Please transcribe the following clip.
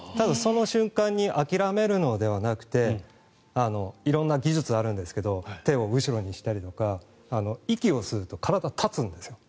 その瞬間に諦めるのではなくて色んな技術があるんですけど手を後ろにしたりとか息を吸うと体が立つんです。